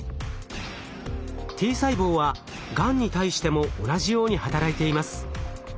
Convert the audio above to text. Ｔ細胞はがんに対しても同じように働いています。